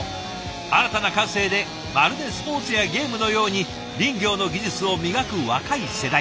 新たな感性でまるでスポーツやゲームのように林業の技術を磨く若い世代。